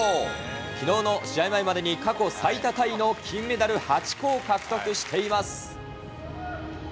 きのうの試合前までに過去最多タイの金メダル８個を獲得しています。